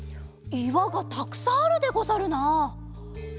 いわがたくさんあるでござるな。